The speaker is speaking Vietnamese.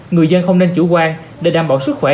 người dân không nên chủ quan để đảm bảo sức khỏe